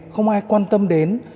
không ai quan tâm đến